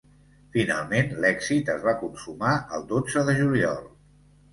Finalment, l’èxit es va consumar el dotze de juliol.